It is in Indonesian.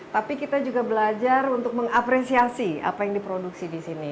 tapi kita juga belajar untuk mengapresiasi apa yang diproduksi di sini